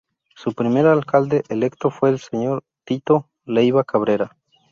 Su primer alcalde electo fue el Sr. Tito Leiva Cabrera.